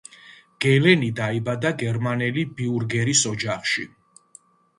გელენი დაიბადა გერმანელი ბიურგერის ოჯახში.